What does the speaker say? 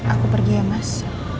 aku pergi ya mas